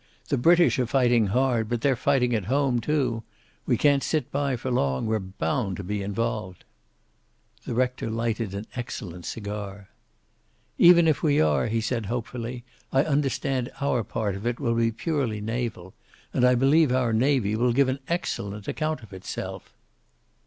The British are fighting hard, but they're fighting at home too. We can't sit by for long. We're bound to be involved." The rector lighted an excellent cigar. "Even if we are," he said, hopefully, "I understand our part of it will be purely naval. And I believe our navy will give an excellent account of itself."